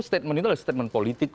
statement itu adalah statement politik